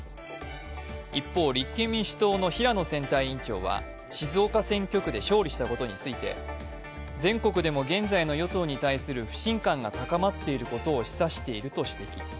一方、立憲民主党の平野選対委員長は静岡選挙区で勝利したことについて、全国でも現在の与党に対する不信感が高まっていることを示唆していると指摘。